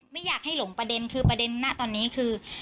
ไม่อยากให้หลงประเด็นคือประเด็นณตอนนี้คือ